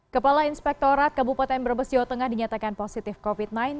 kepala inspektorat kabupaten brebes jawa tengah dinyatakan positif covid sembilan belas